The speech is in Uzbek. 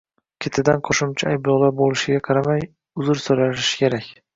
Ketidan qo‘shimcha ayblovlar bo‘lishiga qaramay, uzr so‘ralishi kerak.